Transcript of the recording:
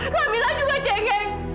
kamila juga cengeng